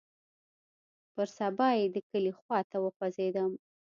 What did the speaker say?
پر سبا يې د کلي خوا ته وخوځېدم.